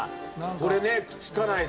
これねくっつかないで。